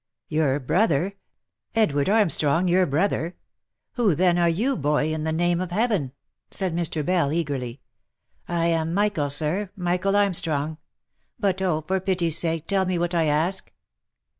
"Your brother? Edward Armstrong your brother? Who then are you, boy, in the name of Heaven ?" said Mr. Bell, eagerly. " 1 am Michael, sir, Michael Armstrong. But oh ! for pity's sake, tell me what I ask